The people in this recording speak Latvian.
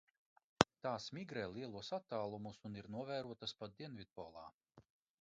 Tās migrē lielus attālumus un ir novērotas pat dienvidpolā.